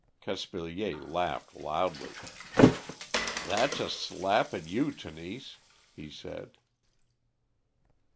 Caspilier laughed loudly. "That's a slap at you, Tenise," he said.